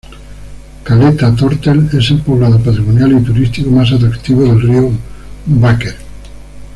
Caleta Tortel, es el poblado patrimonial y turístico más atractivo del río Baker.